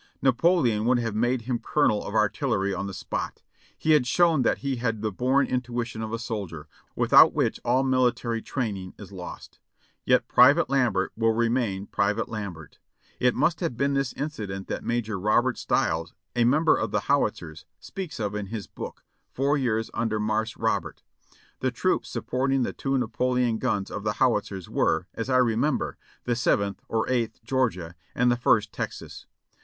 Napoleon would have made him colonel of artillery on the spot. He had shown that he had the born intuition of a soldier, without which all military training is lost; yet 'Private Lambert' will remain 'Private Lambert.' " It must have been this incident that Major Robert Stiles, a mem ber of the Howitzers, speaks of in his book, "Four Years under Marse Robert" (p. 254) : "The troops supporting the two Napoleon guns of the How itzers were, as I remember, the Seventh (or Eighth) Georgia and the First Texas.